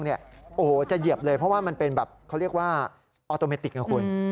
โอ้โหจะเหยียบเลยเพราะว่ามันเป็นแบบเขาเรียกว่าออโตเมติกนะคุณ